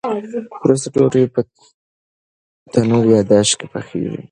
وروسته ډوډۍ په تنور یا داش کې پخیږي.